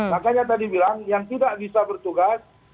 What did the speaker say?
makanya tadi bilang yang tidak bisa bertugas